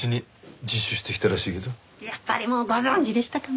やっぱりもうご存じでしたか。